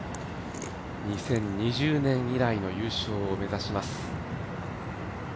２０２０年以来の優勝を目指します。